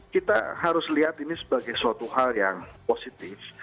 kita harus lihat ini sebagai suatu hal yang positif